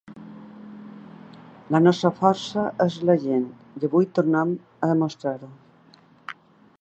La nostra força és la gent i avui tornem a demostrar-ho.